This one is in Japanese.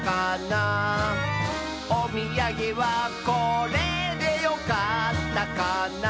「おみやげはこれでよかったかな」